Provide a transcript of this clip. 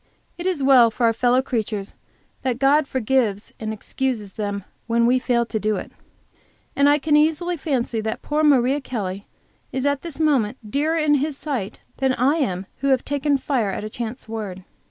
It is well for our fellow creatures that God forgives and excuses them, when we fail to do it, and I can easily fancy that poor Maria Kelly is at this moment dearer in His sight than I am who have taken fire at a chance word.